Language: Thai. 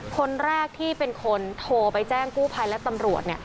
คนแรกที่เป็นคนโทรไปแจ้งกู้ภัยและตำรวจ